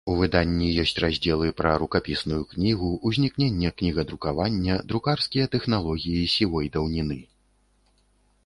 У выданні ёсць раздзелы пра рукапісную кнігу, узнікненне кнігадрукавання, друкарскія тэхналогіі сівой даўніны.